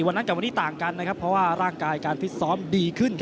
วันนั้นกับวันนี้ต่างกันเพราะว่าร่างกายการฟิตซ้อมดีขึ้น